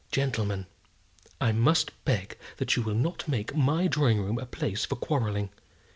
"Gentlemen, I must beg that you will not make my drawing room a place for quarrelling.